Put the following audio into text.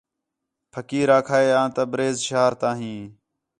پھقیر آکھا ہِے آں تبریز شہر تا ہیں